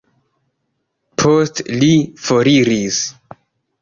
Poste li foriris.